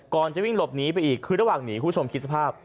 จะวิ่งหลบหนีไปอีกคือระหว่างหนีคุณผู้ชมคิดสภาพ